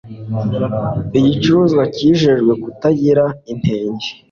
igicuruzwa cyijejwe kutagira inenge